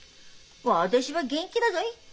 私は元気だぞい。